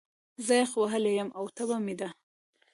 زه يخ وهلی يم، او تبه مې ده